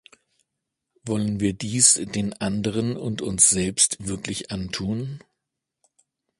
Wollen wir dies den anderen und uns selbst wirklich antun?